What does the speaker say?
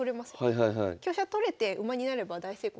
香車取れて馬に成れば大成功なので